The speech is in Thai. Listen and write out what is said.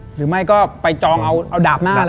หรือไม่ก็ไปจองเอาดาบหน้าเลย